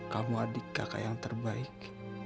kamu adik kakak yang terbaik